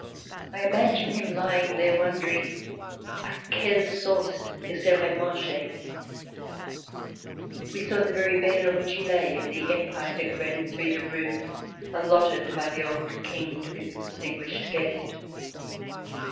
I imagine him lying there, wondering " k quelle sauce il serait mange." We saw the very bed on which he lay, in the Empire decorated suite of rooms allotted by the old King to his distinguished guest.